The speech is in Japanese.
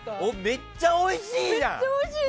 めっちゃおいしいじゃん！